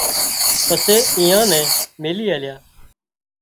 پسي ايئان نين ميلِي آليا